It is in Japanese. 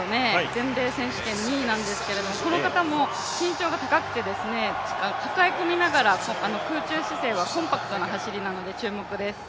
全米選手権２位なんですけど、この方も身長が高くて、抱え込みながら空中姿勢がコンパクトな走りですので、注目です。